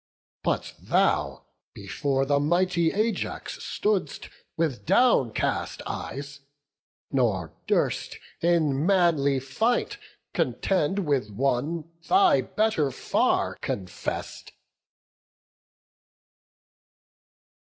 But thou before the mighty Ajax stood'st With downcast eyes, nor durst in manly fight Contend with one thy better far confess'd."